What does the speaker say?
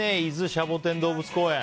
シャボテン動物公園。